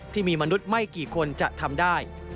ที่มีมนุษย์ไม่กี่คนจะทำได้